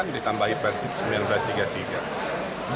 ditambahi persib seribu sembilan ratus tiga puluh tiga